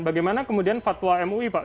bagaimana kemudian fatwa mui pak